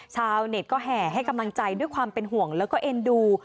ชาวเน็ตก็แห่ให้กำลังใจด้วยความเป็นห่วงแล้วก็เอ็นดู